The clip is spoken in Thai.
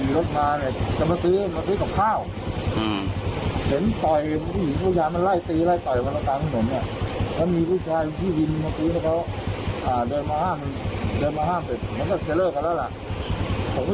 ละผมก็เขาเลยเกี่ยวกับฝรั่งแบบมันด่าก็อย่างไรไม่รู้